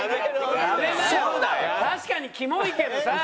確かにキモイけどさ。